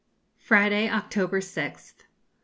Friday, October 6th.